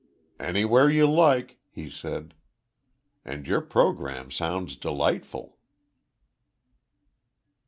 "Anywhere you like," he said. "And your programme sounds delightful."